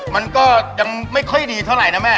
มันก็ยังไม่ค่อยดีเท่าไหร่นะแม่